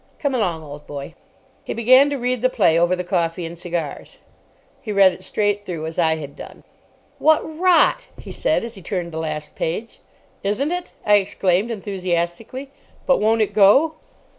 Come along, old boy." He began to read the play over the coffee and cigars. He read it straight through, as I had done. "What rot!" he said, as he turned the last page. "Isn't it!" I exclaimed enthusiastically. "But won't it go?"